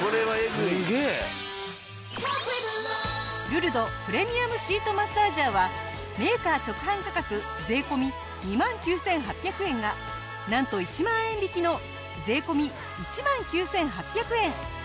ルルドプレミアムシートマッサージャーはメーカー直販価格税込２万９８００円がなんと１万円引きの税込１万９８００円。